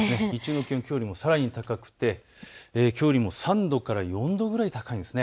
きょうよりもさらに高くて、きょうよりも３度から４度くらい高いんです。